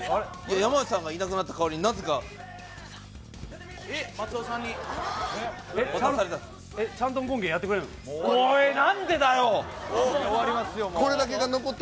山内さんがいなくなった代わりに、なぜか、松尾さん、これって。